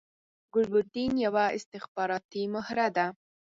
ګلبدین یوه استخباراتی مهره ده